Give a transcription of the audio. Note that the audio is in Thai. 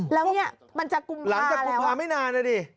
แล้วนี่มันจะกุมภาแล้วหลังจากกุมภาไม่นานเลยดิ